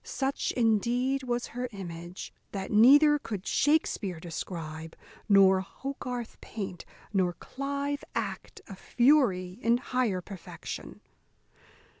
Such indeed was her image, that neither could Shakspear describe, nor Hogarth paint, nor Clive act, a fury in higher perfection.